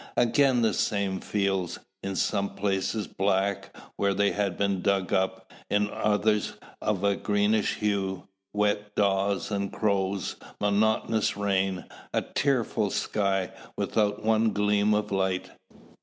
Again the same fields, in some places black where they had been dug up, in others of a greenish hue; wet daws and crows; monotonous rain; a tearful sky, without one gleam of light!...